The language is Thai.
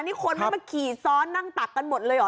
นี่คนไม่มาขี่ซ้อนนั่งตักกันหมดเลยเหรอ